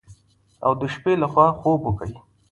او د شپې لخوا خوب کوي.